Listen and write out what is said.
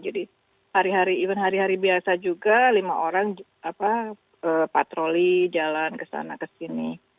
jadi hari hari even hari hari biasa juga lima orang patroli jalan kesana kesini